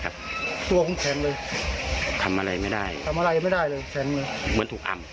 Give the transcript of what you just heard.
บัสดิ์หรือ